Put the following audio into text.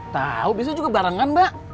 tahu bisa juga barengan mbak